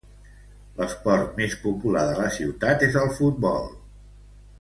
L'esport més popular de la ciutat és el futbol.